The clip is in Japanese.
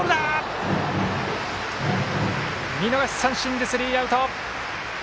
見逃し三振でスリーアウト！